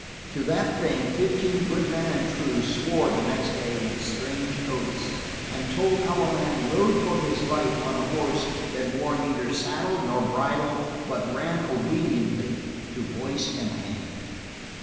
To that thing fifteen good men and true swore the next day with strange oaths, and told how a man rode for his life on a horse that wore neither saddle nor bridle but ran obediently to voice and hand.